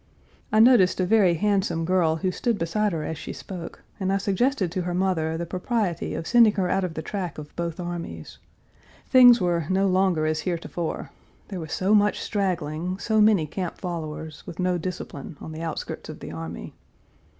I noticed a very handsome girl who stood beside her as she spoke, and I suggested to her mother the propriety of sending her out of the track of both armies. Things were no longer as heretofore; there was so much straggling, so many camp followers, with no discipline, on the outskirts of the army.